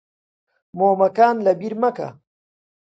مۆمەکان لەبیر مەکە.